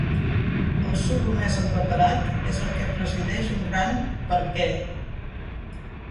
El suro més empaperat és el que presideix un gran Per què?